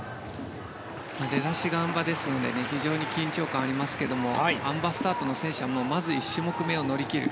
出だしがあん馬ですので非常に緊張感がありますがあん馬スタートの選手はまず１種目めを乗り切る。